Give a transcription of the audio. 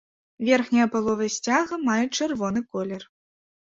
Верхняя палова сцяга мае чырвоны колер.